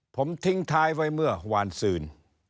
ผมทิ้งท้ายไว้เมื่อวานซืน